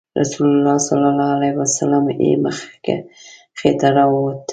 رسول الله صلی الله علیه وسلم یې مخې ته راووت.